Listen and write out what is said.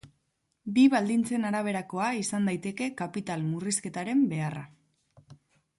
Bi baldintzen araberakoa izan daiteke kapital-murrizketaren beharra.